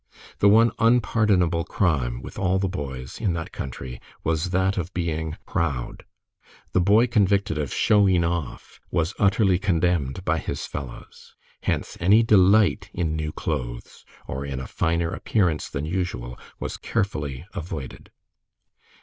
The one unpardonable crime with all the boys in that country was that of being "proud." The boy convicted of "shoween off," was utterly contemned by his fellows. Hence, any delight in new clothes or in a finer appearance than usual was carefully avoided.